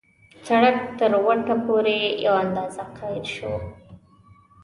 سړک تر وټه پورې یو اندازه قیر شوی.